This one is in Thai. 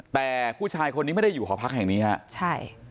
แต่ผู้ชายคนนี้ไม่ได้อยู่หอพักแห่งนี้ฮะใช่